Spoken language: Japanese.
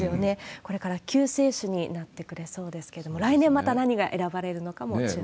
これから救世主になってくれそうですけれども、来年また何が選ばれるのかも注目ですね。